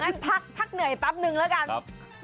งั้นพักเหนื่อยปั๊บหนึ่งแล้วกัน